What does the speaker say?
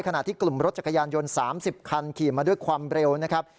ขณะที่กลุ่มรถจักรยานยนต์๓๐คันขี่มาด้วยความเร็วนะครับ